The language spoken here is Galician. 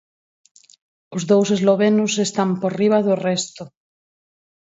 Os dous eslovenos están por riba do resto.